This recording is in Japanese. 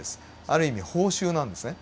ある意味報酬なんですね。